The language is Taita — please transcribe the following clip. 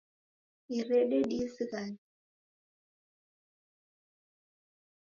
Irede diizinghane